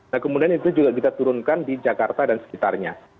nah kemudian itu juga kita turunkan di jakarta dan sekitarnya